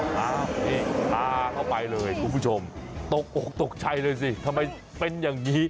อ้าวนี่พาเข้าไปเลยคุณผู้ชมตกออกตกใจเลยสิทำไมเป็นอย่างนี้